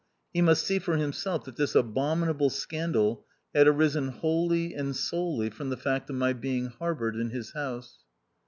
He must see for him self that this abominable scandal had arisen wholly and solely from the fact of my being harboured in his house.